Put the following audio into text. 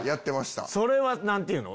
それは何て言うの？